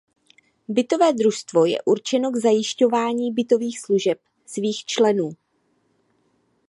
Bytové družstvo je určeno k zajišťování bytových služeb svých členů.